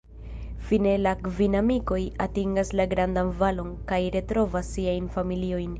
Fine la kvin amikoj atingas la "Grandan Valon" kaj retrovas siajn familiojn.